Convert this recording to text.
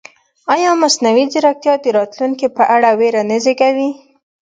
ایا مصنوعي ځیرکتیا د راتلونکي په اړه وېره نه زېږوي؟